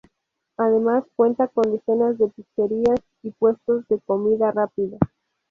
Además cuenta con decenas de pizzerías y puestos de comida rápida.